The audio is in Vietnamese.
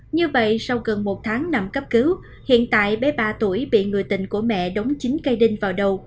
như vậy sau gần một tháng nằm cấp cứu hiện tại bé ba tuổi bị người tình của mẹ đống chính cây đinh vào đầu